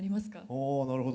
おなるほど。